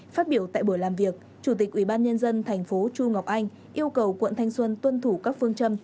phát biểu tại buổi làm việc chủ tịch ubnd tp chu ngọc anh yêu cầu quận thanh xuân tuân thủ các phương châm